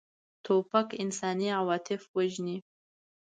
توپک انساني عواطف وژني.